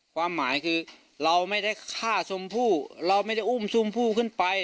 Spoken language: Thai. ความหมายคือเราไม่ได้ฆ่าชมพู่เราไม่ได้อุ้มชมพู่ขึ้นไป